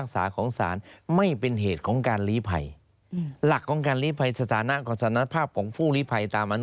ใช่ไหม